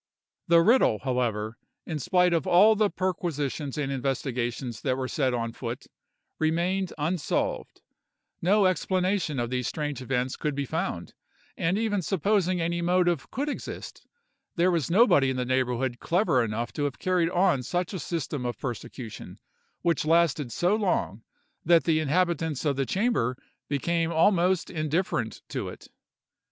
"The riddle, however, in spite of all the perquisitions and investigations that were set on foot remained unsolved—no explanation of these strange events could be found; and even supposing any motive could exist, there was nobody in the neighborhood clever enough to have carried on such a system of persecution, which lasted so long, that the inhabitants of the chamber became almost indifferent to it.